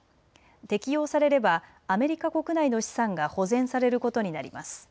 適用されればアメリカ国内の資産が保全されることになります。